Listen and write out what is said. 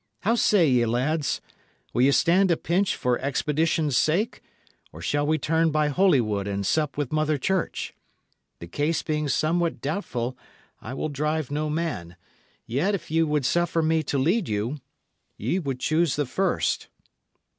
How say ye, lads? Will ye stand a pinch for expedition's sake, or shall we turn by Holywood and sup with Mother Church? The case being somewhat doubtful, I will drive no man; yet if ye would suffer me to lead you, ye would choose the first."